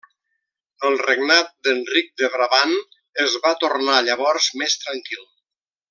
El regnat d'Enric de Brabant es va tornar llavors més tranquil.